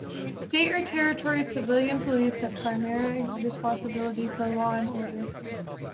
State or Territory civilian police have primary responsibility for law and order.